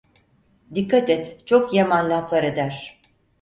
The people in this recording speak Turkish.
Dikkat et, çok yaman laflar eder!